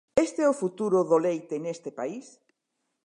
¿Este é o futuro do leite neste país?